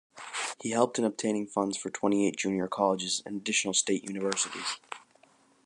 He helped in obtaining funds for twenty-eight junior colleges and additional state universities.